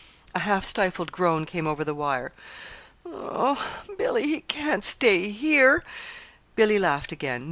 A half stifled groan came over the wire. "Billy, he can't stay here." Billy laughed again.